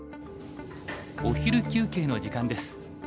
お昼休憩の時間です。